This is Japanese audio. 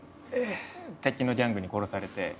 敵のギャングに殺されて。